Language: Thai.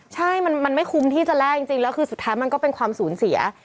ใช่มันไม่คุ้มที่จะแลกจริงแล้วคือสุดท้ายมันก็เป็นความสูญเสีย